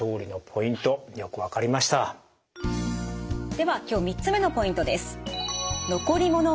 では今日３つ目のポイントです。